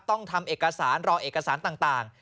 ต้องทำเอกสารรอเอกสารต่าง